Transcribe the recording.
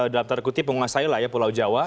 dalam tanda kutip menguasai pulau jawa